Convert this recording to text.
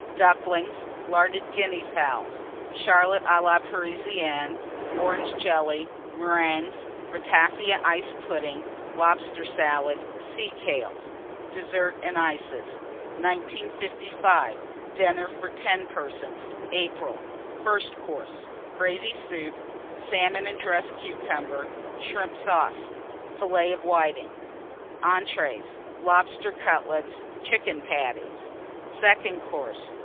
Ducklings. Larded Guinea Fowls. Charlotte a la Parisienne. Orange Jelly. Meringues. Ratafia Ice Pudding. Lobster Salad. Sea kale. DESSERT AND ICES. 1955. DINNER FOR 10 PERSONS (April). FIRST COURSE Gravy Soup. Salmon and Dressed Cucumber. Shrimp Sauce. Fillets of Whitings. ENTREES. Lobster Cutlets. Chicken Patties. SECOND COURSE.